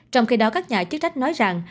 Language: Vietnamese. trong khi đó các nhà chức trách nói rằng